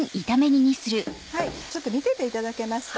ちょっと見てていただけますか？